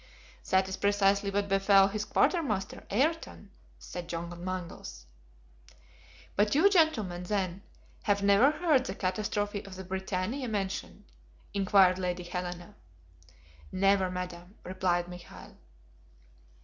"That is precisely what befell his quartermaster, Ayrton," said John Mangles. "But you, gentlemen, then, have never heard the catastrophe of the BRITANNIA, mentioned?" inquired Lady Helena. "Never, Madam," replied Michael.